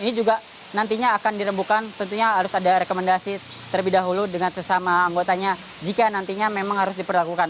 ini juga nantinya akan dirembukan tentunya harus ada rekomendasi terlebih dahulu dengan sesama anggotanya jika nantinya memang harus diperlakukan